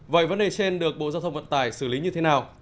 vậy vấn đề trên được bộ giao thông vận tải xử lý như thế nào